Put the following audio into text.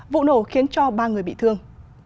vụ nổ khiến cho ba người bị thương